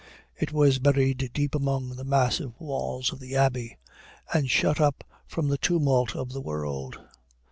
It was buried deep among the massive walls of the abbey, and shut up from the tumult of the world.